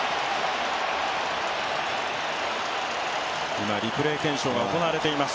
今、リプレー検証が行われています。